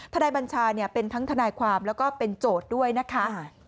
นายบัญชาเป็นทั้งทนายความแล้วก็เป็นโจทย์ด้วยนะคะ